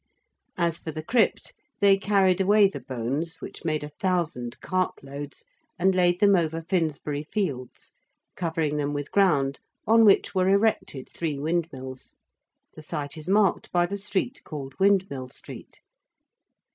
As for the crypt, they carried away the bones, which made a thousand cartloads, and laid them over Finsbury Fields, covering them with ground, on which were erected three windmills. The site is marked by the street called Windmill Street.